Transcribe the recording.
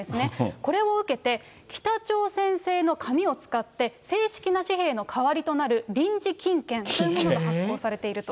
これを受けて、北朝鮮製の紙を使って、正式な紙幣の代わりとなる臨時金券というものが発行されていると。